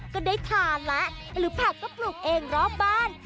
ก็ได้ทานแล้วหรือผักก็ปลูกเองรอบบ้าน